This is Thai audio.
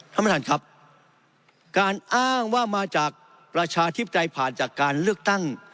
ท่านประธานครับการอ้างว่ามาจากประชาธิปไตยผ่านจากการเลือกตั้ง